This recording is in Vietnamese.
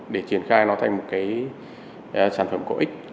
để triển khai nó thành một cái sản phẩm có ích